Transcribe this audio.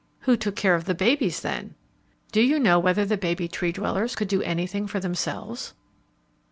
Who took care of the babies then? Do you know whether the baby Tree dwellers could do anything for themselves?